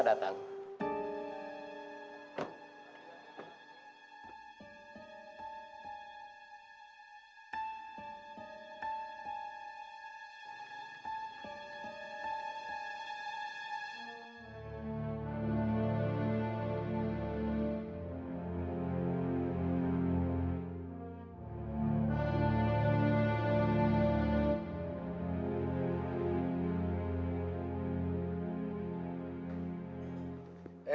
saat yang indah ya